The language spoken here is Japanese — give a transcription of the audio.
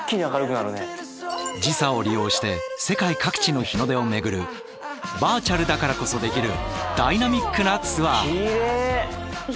時差を利用して世界各地の日の出を巡るバーチャルだからこそできるダイナミックなツアー！